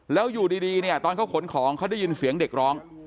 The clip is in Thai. แล้วอยู่ดีเนี่ยตอนเขาขนของเขาได้ยินเสียงเด็กร้อง